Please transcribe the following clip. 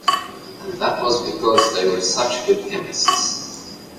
And that was because they were such good chemists.